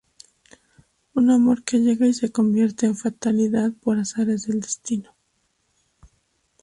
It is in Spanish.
Un amor que llega y se convierte en fatalidad por azares del destino.